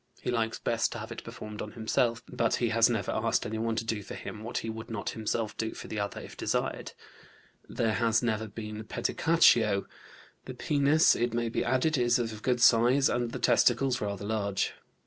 He likes best to have it performed on himself, but he has never asked anyone to do for him what he would not himself do for the other if desired. There has never been pedicatio. The penis, it may be added, is of good size, and the testicles rather large.